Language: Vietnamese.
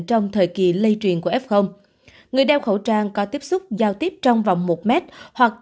trong thời kỳ lây truyền của f người đeo khẩu trang có tiếp xúc giao tiếp trong vòng một mét hoặc